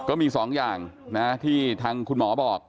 ก็มี๒อย่างนะที่ทางคุณหมอบอก